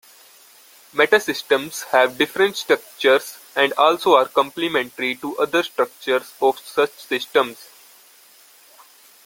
Meta-systems have different structures and also are complementary to other structures of such systems.